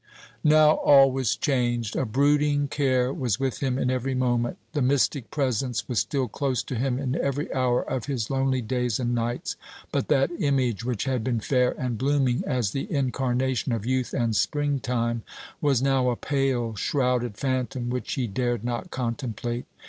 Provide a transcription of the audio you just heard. Now all was changed. A brooding care was with him in every moment. The mystic presence was still close to him in every hour of his lonely days and nights; but that image, which had been fair and blooming as the incarnation of youth and spring time, was now a pale shrouded phantom which he dared not contemplate.